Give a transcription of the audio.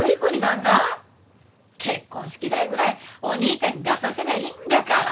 結婚式代ぐらいお兄ちゃんに出させりゃいいんだから。